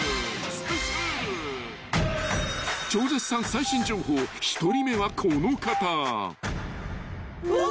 最新情報１人目はこの方］うわ！